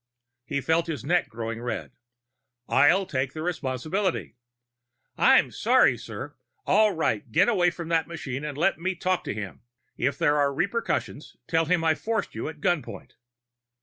He felt his neck going red. "I'll take the responsibility." "I'm sorry, sir " "All right. Get away from that machine and let me talk to him. If there are repercussions, tell him I forced you at gunpoint."